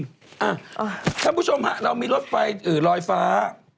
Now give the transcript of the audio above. อ่ะท่านผู้ชมเรามีรถไฟหรือรอยฟ้า